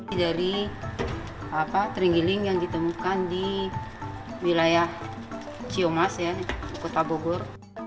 ini dari terenggiling yang ditemukan di wilayah ciongas kota bogor